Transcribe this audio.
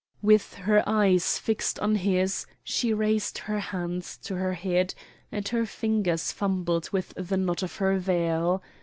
With her eyes fixed on his she raised her hands to her head, and her fingers fumbled with the knot of her veil.